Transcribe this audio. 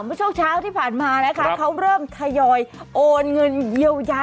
เมื่อช่วงเช้าที่ผ่านมานะคะเขาเริ่มทยอยโอนเงินเยียวยา